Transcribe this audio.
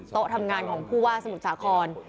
ทำงานของผู้ว่าสมุทรสาคร